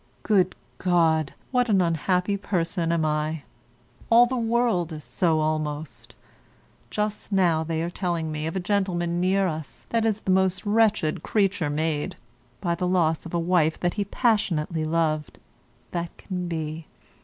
Good God! what an unhappy person am I. All the world is so almost. Just now they are telling me of a gentleman near us that is the most wretched creature made (by the loss of a wife that he passionately loved) that can be.